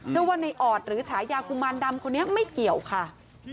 เชื่อว่าในออดหรือฉายากุมารดำคนนี้ไม่เกี่ยวค่ะ